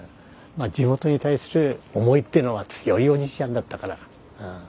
地元に対する思いってのは強いおじいちゃんだったから。